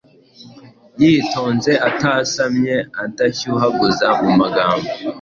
yitonze, atasamye , adashyuhaguza.mumagambo